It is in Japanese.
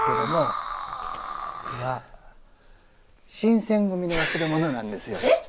これは新選組の忘れ物なんですよ。